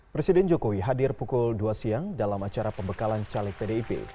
presiden jokowi hadir pukul dua siang dalam acara pembekalan caleg pdip